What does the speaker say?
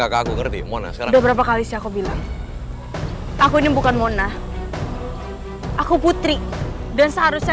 tante clara gak keguguran kan tante